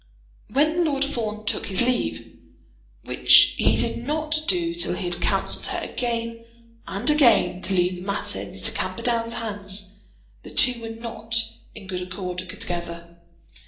When Lord Fawn took his leave, which he did not do till he had counselled her again and again to leave the matter in Mr. Camperdown's hands, the two were not in good accord together.